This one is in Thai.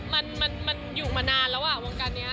มันมันอยู่มานานแล้วอ่ะวงการนี้